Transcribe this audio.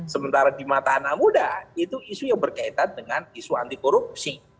sementara di mata anak muda itu isu yang berkaitan dengan isu anti korupsi